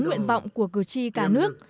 nguyện vọng của cử tri cả nước